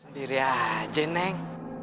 sendiri aja neng